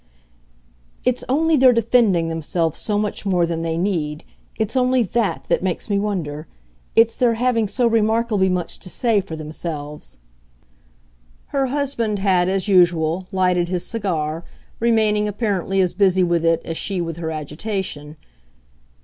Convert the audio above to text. "It's only their defending themselves so much more than they need it's only THAT that makes me wonder. It's their having so remarkably much to say for themselves." Her husband had, as usual, lighted his cigar, remaining apparently as busy with it as she with her agitation.